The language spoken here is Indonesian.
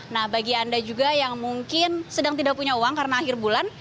nah bagi anda juga yang mungkin sedang tidak punya uang karena akhir bulan